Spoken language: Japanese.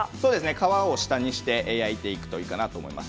皮を下にして焼いていくといいかと思います。